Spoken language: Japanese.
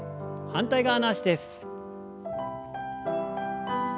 反対側の脚です。